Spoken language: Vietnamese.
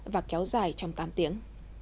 và kéo dài trong tám tiếng